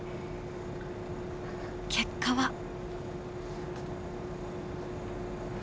結果は？